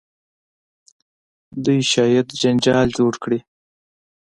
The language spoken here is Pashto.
دوی شاید جنجال جوړ کړي.